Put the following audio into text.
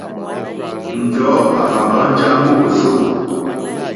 Njɔ̀ɔ́ àmà hwánjá môrzô.